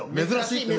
珍しい。